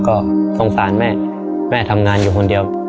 ก็สงสารแม่แม่ทำงานอยู่คนเดียว